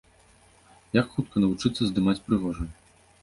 Як хутка навучыцца здымаць прыгожа?